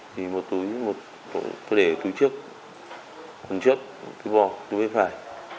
thì một túi tôi để túi trước phần trước túi bò túi bên phải